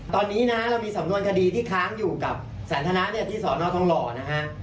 ตอนนี้นะเรามีสำนวนคดีที่ค้างอยู่กับสันทนาเนี่ยที่สอนอทองหล่อนะฮะ